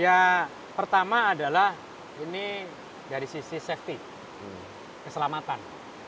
ya pertama adalah ini dari sisi safety keselamatan